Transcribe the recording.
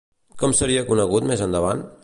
Com seria conegut més endavant?